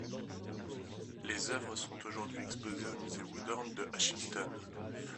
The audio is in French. Les œuvres sont aujourd’hui exposées au Musée Woodhorn de Ashington.